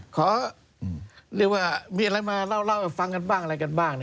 ขอเรียกว่ามีอะไรมาเล่าให้ฟังกันบ้างอะไรกันบ้าง